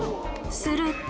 すると。